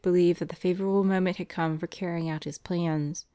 believed that the favourable moment had come for carrying out his plans.